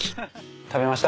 食べました。